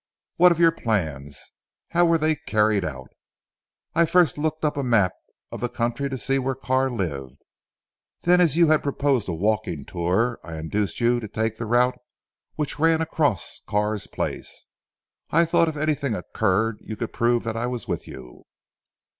What of your plans? How were they carried out?" "I first looked up a map of the country to see where Carr lived. Then as you had proposed a walking tour, I induced you to take the route which ran right across Carr's place. I thought if anything occurred you could prove that I was with you."